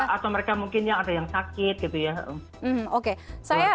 atau mereka mungkin yang sakit gitu ya